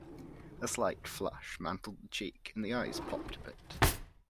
A slight flush mantled the cheek, and the eyes popped a bit.